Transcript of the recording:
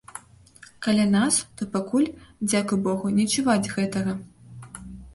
Каля нас то пакуль, дзякуй богу, не чуваць гэтага.